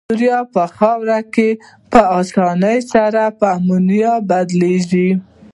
یوریا په خاوره کې په اساني سره په امونیا بدلیږي.